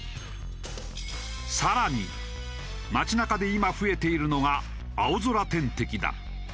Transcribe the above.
さらに街中で今増えているのが青空点滴だ。